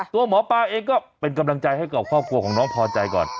ตัวหมอปลาเองก็เป็นกำลังใจให้กับครอบครัวของน้องพอใจก่อน